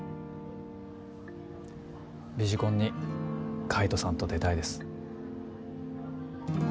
ビジコンに海斗さんと出たいです